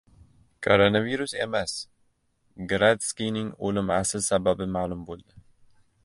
Koronavirus emas: Gradskiyning o‘limi asl sababi ma’lum bo‘ldi